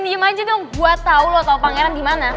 atau lo tau gak pangeran dimana